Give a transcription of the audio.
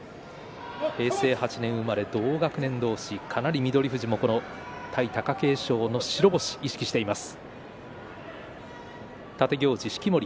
平成８年生まれ、同学年同士かなり翠富士も対貴景勝の白星意識しています。